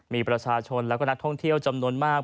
มีประชาชนและก็นักท่องเที่ยวจำนวนมาก